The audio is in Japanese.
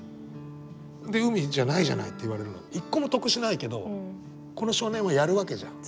で「海じゃないじゃない」って言われるの一個も得しないけどこの少年はやる訳じゃん。